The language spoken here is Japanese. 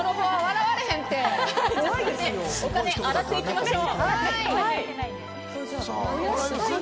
お金、洗っていきましょう。